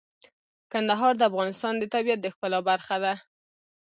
کندهار د افغانستان د طبیعت د ښکلا برخه ده.